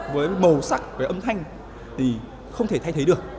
với màu sắc với âm thanh thì không thể thay thế được